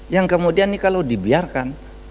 yang kemudian ini kalau dibiarkan